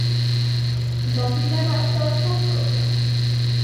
Dat dilemma is zelfs nog groter.